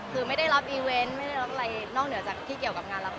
คือไม่ได้รับอีเวนต์ไม่ได้รับอะไรนอกเหนือจากที่เกี่ยวกับงานละคร